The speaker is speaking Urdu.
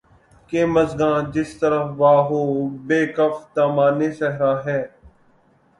کہ مژگاں جس طرف وا ہو‘ بہ کف دامانِ صحرا ہے